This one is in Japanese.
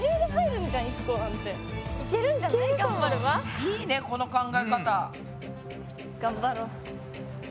いいねこの考え方。